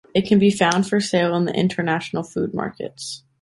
It can be found for sale in the international food markets.